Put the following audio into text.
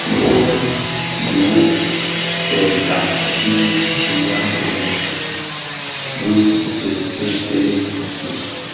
Wuoren dhi wuō kè gab dhi “nyam imum” bi ki see see bisi,